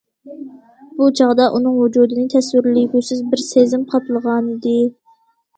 بۇ چاغدا ئۇنىڭ ۋۇجۇدىنى تەسۋىرلىگۈسىز بىر سېزىم قاپلىغانىدى.